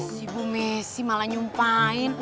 si bu mesih malah nyumpain